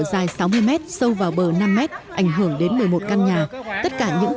tất cả những căn nhà đều bị giặt lở